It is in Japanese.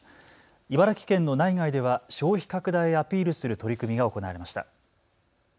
茨城県の内外では消費拡大へアピールする取り組みが行われました。